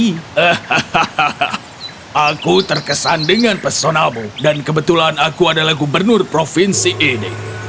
hahaha aku terkesan dengan personamu dan kebetulan aku adalah gubernur provinsi ini